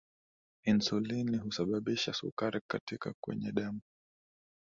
insulini husababisha sukari kutoka kwenye damu